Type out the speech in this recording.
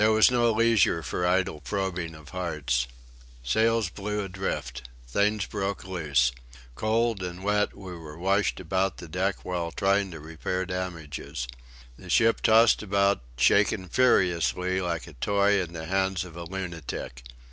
There was no leisure for idle probing of hearts. Sails blew adrift. Things broke loose. Cold and wet, we were washed about the deck while trying to repair damages. The ship tossed about, shaken furiously, like a toy in the hand of a lunatic.